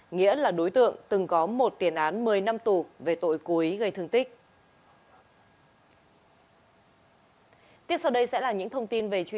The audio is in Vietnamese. nghĩa là đối tượng từng có một tiền án một mươi năm tù về tội cúi gây thương tích